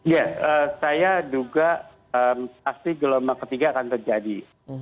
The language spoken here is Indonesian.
ya saya duga pasti gelombang ketiga akan terjadi